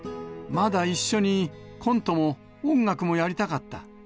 まだ一緒にコントも音楽もやりたかった。